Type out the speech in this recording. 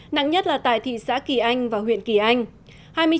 nặng nhất là tại thị xã kỳ anh và huyện kỳ anh